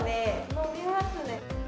伸びますね。